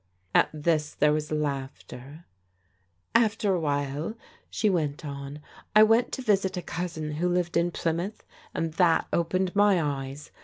At this there was laughter. " After a while," she went on, " I went to visit a cousin who lived in Plymouth, and that opened my eyes.